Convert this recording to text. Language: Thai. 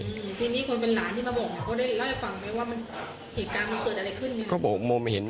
ทีนี้คนเป็นหลานที่มาบอกได้แล้วให้ฟังดูไหมว่า